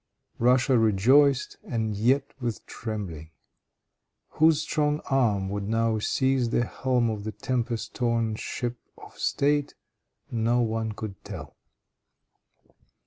Russia rejoiced, and yet with trembling. Whose strong arm would now seize the helm of the tempest torn ship of State, no one could tell.